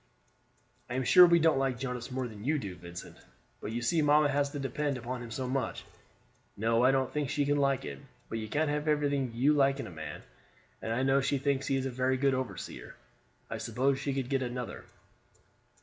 "I am sure we don't like Jonas more than you do, Vincent; but you see mamma has to depend upon him so much. No, I don't think she can like it; but you can't have everything you like in a man, and I know she thinks he is a very good overseer. I suppose she could get another?"